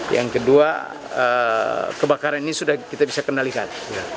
yang kedua kebakaran ini sudah kita bisa kendalikan